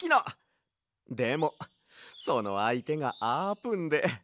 でもそのあいてがあーぷんで。